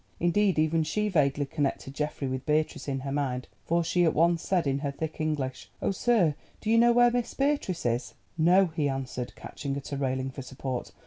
Indeed, even she vaguely connected Geoffrey with Beatrice in her mind, for she at once said in her thick English: "Oh, sir, do you know where Miss Beatrice is?" "No," he answered, catching at a railing for support.